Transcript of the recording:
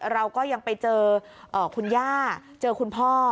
เราก็ยังไปเจอคุณย่าเจอคุณพ่อ